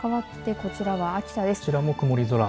こちらも曇り空。